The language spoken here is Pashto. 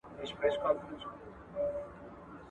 د اوبو شرشرې خوړ ته ورغورځیږي